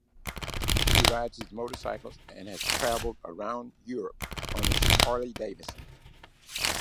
He rides motorcycles, and has traveled around Europe on his Harley-Davidson.